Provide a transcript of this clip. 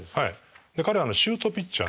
彼はシュートピッチャー。